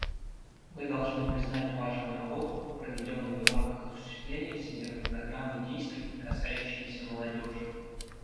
Мы должны признать важную работу, проведенную в рамках осуществления Всемирной программы действий, касающейся молодежи.